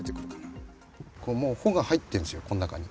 これもう、穂が入ってるんですよ、この中に。